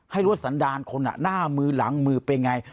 หรือว่าสันดาลคนหน้ามือหลังมือเป็นไง